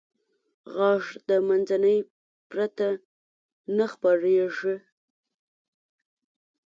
غږ د منځنۍ پرته نه خپرېږي.